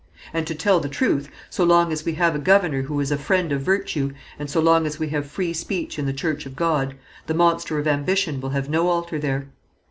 "And to tell the truth, so long as we have a governor who is a friend of virtue, and so long as we have free speech in the Church of God, the monster of ambition will have no altar there.